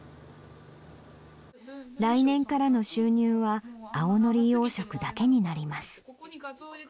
来年からの収入は青のり養殖だけになります。